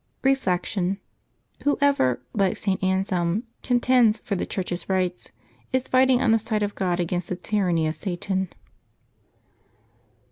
Reflection. — Whoever, like St. Anselm, contends for the Church's rights, is fighting on the side of God against the tyranny of Satan.